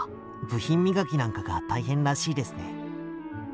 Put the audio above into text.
部品磨きなんかが大変らしいですね。